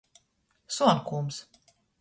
Suonkūms.